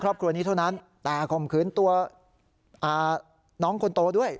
ครอบครัวนี้เท่านั้นแต่ข่มขืนตัวน้องคนโตด้วย